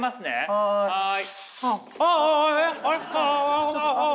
はい。